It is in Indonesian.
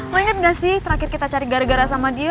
lo inget gak sih terakhir kita cari gara gara sama dia